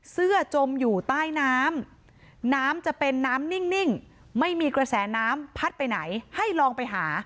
จมอยู่ใต้น้ำน้ำจะเป็นน้ำนิ่งไม่มีกระแสน้ำพัดไปไหนให้ลองไปหา